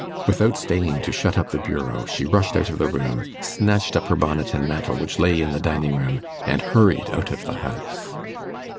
Without staying to shut up the bureau, she rushed out of the room, snatched up her bonnet and mantle which lay in the dining room, and hurried out of the house.